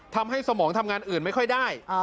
สมองทำงานอื่นไม่ค่อยได้